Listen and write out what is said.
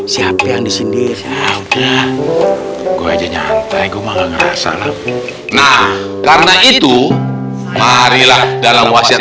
siap yang disini saya udah gua aja nyantai gua nggak ngerasa nah karena itu marilah dalam wasiat